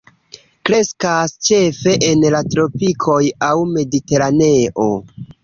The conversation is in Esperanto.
Kreskas ĉefe en la tropikoj aŭ mediteraneo.